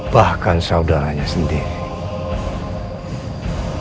bahkan saudaranya sendiri